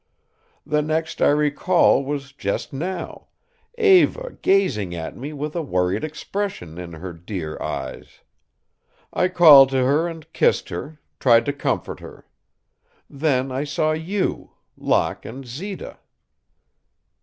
The next I recall was just now Eva gazing at me with a worried expression in her dear eyes. I called to her and kissed her, tried to comfort her. Then I saw you, Locke, and Zita."